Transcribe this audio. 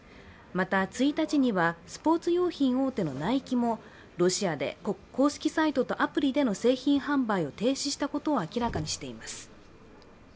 また、１日にはスポーツ用品大手のナイキもロシアで公式サイトとアプリでの製品販売を停止したことを明らかにしています。